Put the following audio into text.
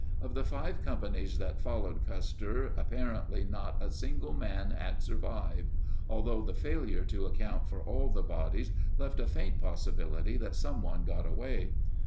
Of the five companies that followed Custer, apparently not a single man had survived, although the failure to account for all the bodies left a faint possibility that someone got away.